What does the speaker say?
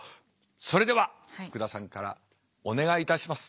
それでは福田さんからお願いいたします。